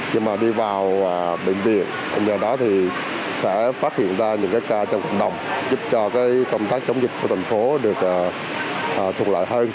nhưng mà đi vào bệnh viện nhà đó sẽ phát hiện ra những ca trong cộng đồng giúp cho công tác chống dịch của thành phố được thuộc lại hơn